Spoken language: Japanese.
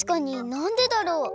なんでだろう？